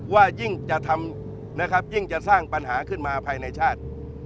ว่ายิ่งจะทำนะครับยิ่งจะสร้างปัญหาขึ้นมาภายในชาติ